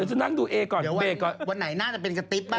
โอจนนี่ก็อีกกปะก็นะการกัดแล้วอีกแล้ว